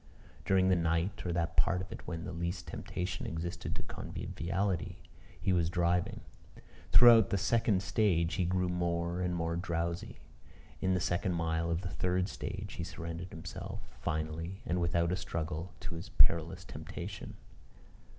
During the night, or that part of it when the least temptations existed to conviviality, he was driving. Throughout the second stage he grew more and more drowsy. In the second mile of the third stage, he surrendered himself finally and without a struggle to his perilous temptation.